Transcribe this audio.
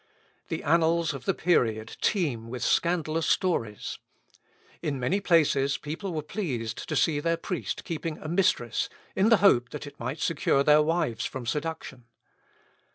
The annals of the period teem with scandalous stories. In many places people were pleased to see their priest keeping a mistress, in the hope that it might secure their wives from seduction.